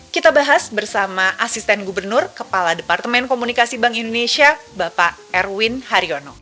kita bahas bersama asisten gubernur kepala departemen komunikasi bank indonesia bapak erwin haryono